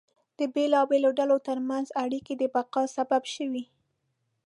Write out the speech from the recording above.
د بېلابېلو ډلو ترمنځ اړیکې د بقا سبب شوې.